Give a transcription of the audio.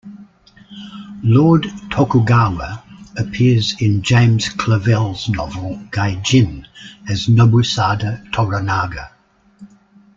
Lord Tokugawa appears in James Clavell's novel "Gai-Jin" as Nobusada Toranaga.